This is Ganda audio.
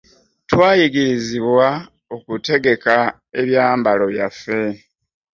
Twayigirizibwa okutegeka ebyambalo byaffe.